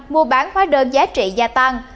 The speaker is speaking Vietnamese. mua bán khóa đơn giá trị gia tăng